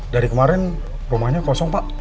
dari kemarin rumahnya kosong pak